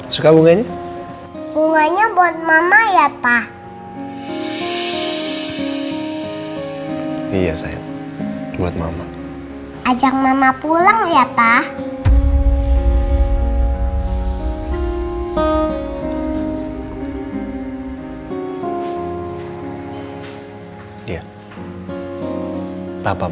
sampai jumpa di video selanjutnya